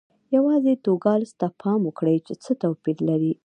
یوازې نوګالس ته پام وکړئ چې څه توپیر لري.